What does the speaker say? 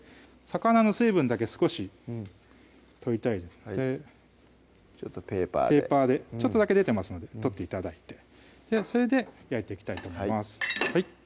魚の水分だけ少し取りたいのでちょっとペーパーでペーパーでちょっとだけ出てますので取って頂いてそれで焼いていきたいと思います